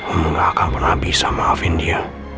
kamu gak akan pernah bisa maafin dia